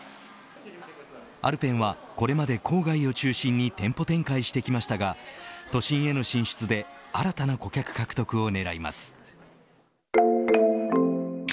アルペンはこれまで郊外を中心に店舗展開してきましたが都心への進出で新たな顧客獲得を狙います。